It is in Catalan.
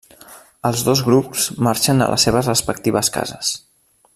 Els dos grups marxen a les seves respectives cases.